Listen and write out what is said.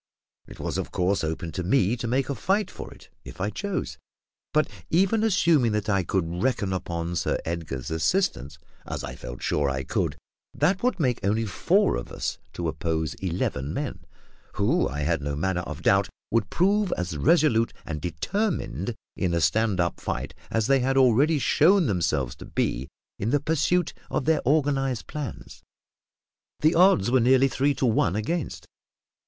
It was of course open to me to make a fight for it, if I chose; but, even assuming that I could reckon upon Sir Edgar's assistance as I felt sure I could that would make only four of us to oppose eleven men, who, I had no manner of doubt, would prove as resolute and determined in a stand up fight as they had already shown themselves to be in the pursuit of their organised plans. The odds were nearly three to one against us.